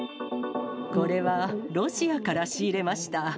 これはロシアから仕入れました。